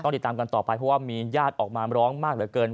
ติดตามกันต่อไปเพราะว่ามีญาติออกมาร้องมากเหลือเกิน